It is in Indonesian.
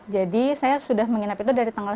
jadi saya sudah menginap itu dari tanggal sembilan